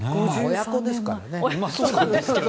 親子ですからね。